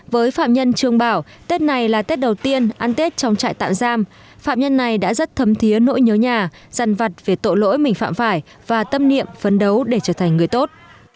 với phạm nhân trương bảo tết này là tết đầu tiên ăn tết trong trại tạm giam phạm nhân này đã rất thấm thiế nỗi nhớ nhà rằn vặt về tội lỗi mình phạm phải và tâm niệm phấn đấu để trở thành người tốt